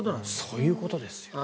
そういうことですよ。